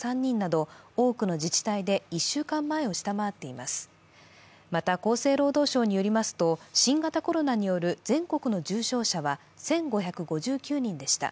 また、厚生労働省によりますと、新型コロナによる全国の重症者は１５５９人でした。